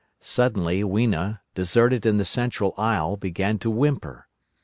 Suddenly Weena, deserted in the central aisle, began to whimper.